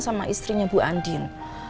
sama istrinya bu andien